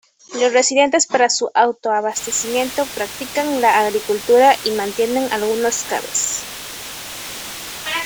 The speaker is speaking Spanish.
Los residentes para su autoabastecimiento practican la agricultura y mantienen algunas cabras.